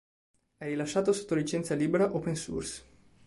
È rilasciato sotto licenza libera Open Source.